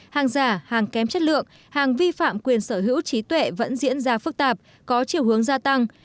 hàng giả hàng kém chất lượng hàng vi phạm quyền sở hữu trí tuệ vẫn diễn ra phức tạp có chiều hướng gia tăng